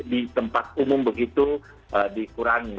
di tempat umum begitu dikurangi